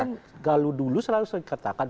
maka ya kan galu dulu selalu dikatakan